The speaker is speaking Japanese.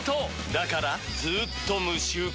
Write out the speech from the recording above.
だからずーっと無臭化！